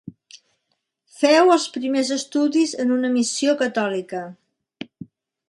Feu els primers estudis en una missió catòlica.